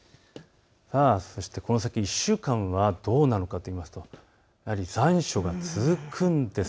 この先１週間はどうなのかといいますと残暑が続くんです。